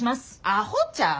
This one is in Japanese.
アホちゃう？